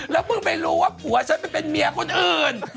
แล้วเพิ่งไปรู้ว่าผัวฉันไปเป็นเมียคนอื่น